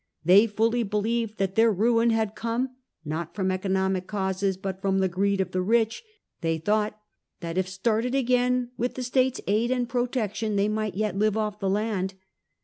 They fully believed that their ruin had come not from economic causes, but from the greed of the rich ; they thought that, if started again with the state's aid and protection, they might yet live off the land.